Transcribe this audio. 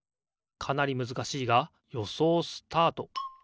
かなりむずかしいがよそうスタート。